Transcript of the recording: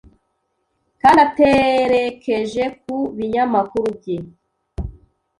kandi aterekeje ku binyamakuru bye